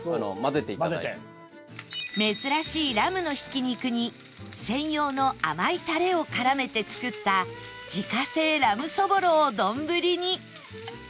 珍しいラムのひき肉に専用の甘いタレを絡めて作った自家製ラムそぼろを丼に